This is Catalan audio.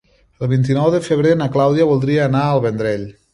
El vint-i-nou de febrer na Clàudia voldria anar al Vendrell.